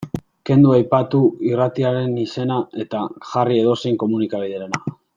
Kendu aipatu irratiaren izena eta jarri edozein komunikabiderena.